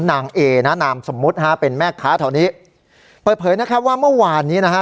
นางเอนะนามสมมุติฮะเป็นแม่ค้าแถวนี้เปิดเผยนะครับว่าเมื่อวานนี้นะฮะ